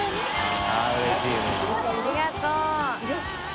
ありがとう。